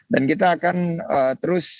dan kita akan terus